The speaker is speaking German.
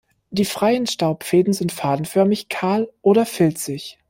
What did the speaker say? Die freien Staubfäden sind fadenförmig, kahl oder filzig.